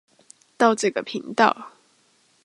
到這個頻道